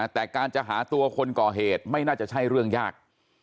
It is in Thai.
แต่การจะหาตัวคนก่อเหตุไม่น่าจะใช่เรื่องยาก